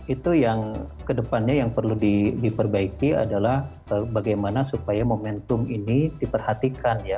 itu yang kedepannya yang perlu diperbaiki adalah bagaimana supaya momentum ini diperhatikan ya